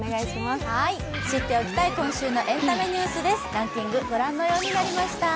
知っておきたい今週のエンタメニュースですランキング、ご覧のようになりました。